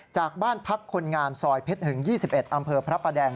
จากบ้านพักคนงานซอยเพชรหึง๒๑อำเภอพระประแดง